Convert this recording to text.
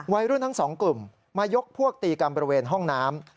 วัยรุ่นทั้งสองกลุ่มมายกพวกตีกันบริเวณห้องน้ำ